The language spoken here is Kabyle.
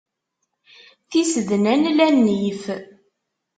Tisednan la nnif.